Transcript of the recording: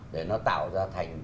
để nó tạo ra thành